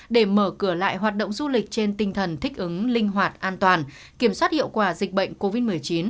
để mở cửa lại hoạt động du lịch trên tinh thần thích ứng linh hoạt an toàn kiểm soát hiệu quả dịch bệnh covid một mươi chín